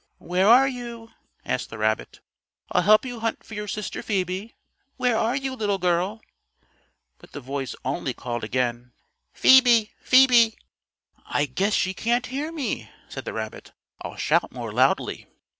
"Where are you?" asked the rabbit. "I'll help you hunt for your sister Phoebe. Where are you, little girl?" But the voice only called again: "Phoebe! Phoebe!" "I guess she can't hear me," said the rabbit. "I'll shout more loudly."